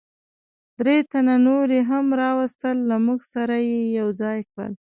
درې تنه نور یې هم را وستل، له موږ سره یې یو ځای کړل.